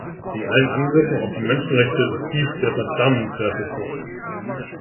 Von allen Angriffen auf die Menschenrechte ist dies der verdammenswerteste.